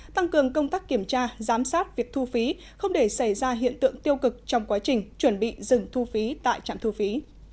tăng cường công tác kiểm tra giám sát việc thu phí không để xảy ra hiện tượng tiêu cực trong quá trình chuẩn bị dừng thu phí tại trạm thu phí